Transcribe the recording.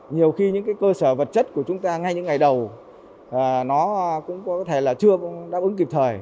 nhiều khi những cơ sở vật chất của chúng ta ngay những ngày đầu nó cũng có thể là chưa đáp ứng kịp thời